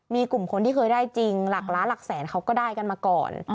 มีกลุ่มคนที่เคยได้จริงหลักล้านหลักแสนเขาก็ได้กันมาก่อน